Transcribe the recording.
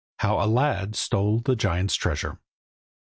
HOW A LAD STOLE THE GIANT'S TREASURE.